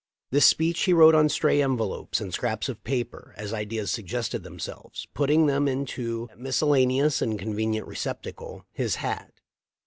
This speech he wrote on stray envelopes and scraps of paper, as ideas suggested themselves, putting them into that miscellaneous and con venient receptacle, his hat.